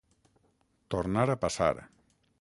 Tornar a passar.